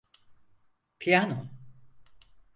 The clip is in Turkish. Piyano.